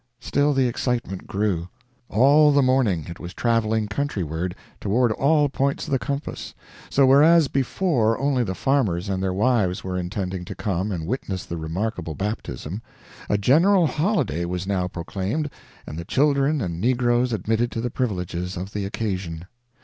Still the excitement grew. All the morning it was traveling countryward, toward all points of the compass; so, whereas before only the farmers and their wives were intending to come and witness the remarkable baptism, a general holiday was now proclaimed and the children and negroes admitted to the privileges of the occasion.